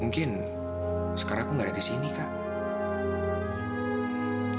mungkin sekarang aku nggak ada di sini kak